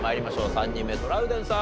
３人目トラウデンさん